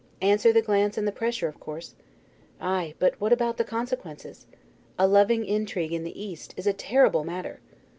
Answer the glance and the pressure, of course. Ay, but what about the consequences? A loving intrigue in the East is a terrible matter!